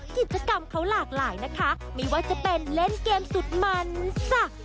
กิจกรรมเขาหลากหลายนะคะไม่ว่าจะเป็นเล่นเกมสุดมันจ้ะ